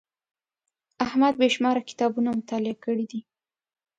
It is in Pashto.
احمد بې شماره کتابونه مطالعه کړي دي.